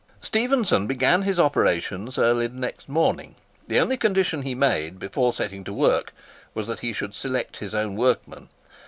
Stephenson began his operations early next morning. The only condition that he made, before setting to work, was that he should select his own workmen.